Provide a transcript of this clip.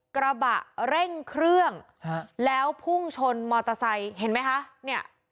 กระบะเร่งเครื่องแล้วพุ่งชนมอเตอร์ไซค์เห็นไหมคะเนี่ย